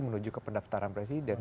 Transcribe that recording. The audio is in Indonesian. menuju ke pendaftaran presiden